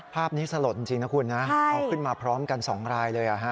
ภาพนี้สลดจริงนะคุณนะเอาขึ้นมาพร้อมกัน๒รายเลย